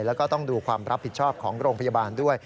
แล้วก็ต้องดูความรับผิดชอบของโรงพยาบาลด้วย